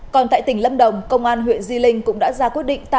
còn tại tỉnh lâm đồng công an huyện di linh cũng đã ra quyết định